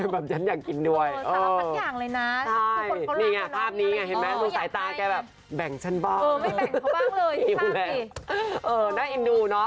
บอกอย่างเนี้ยหมดเลยแบบฉันอยากกินด้วยอ๋อ